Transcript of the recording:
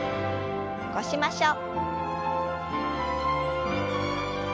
起こしましょう。